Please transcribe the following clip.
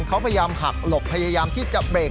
เขาพยายามหักหลบพยายามที่จะเบรก